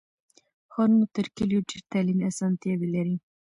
ښارونه تر کلیو ډېر تعلیمي اسانتیاوې لري.